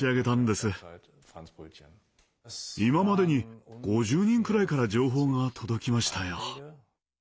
今までに５０人くらいから情報が届きましたよ。